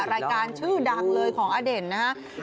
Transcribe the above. รายการชื่อดังเลยของอเด่นนะครับ